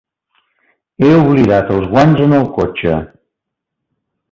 He oblidat els guants en el cotxe.